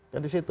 kan di situ